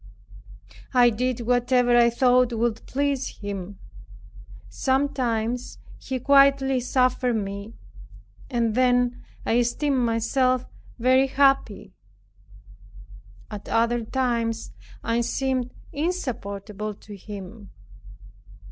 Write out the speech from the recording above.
I did whatever I thought would please him. Sometimes he quietly suffered me, and then I esteemed myself very happy. At other times I seemed insupportable to him.